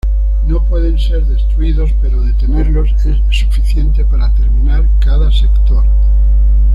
No pueden ser destruidos, pero detenerlos es suficiente para terminar cada Sector.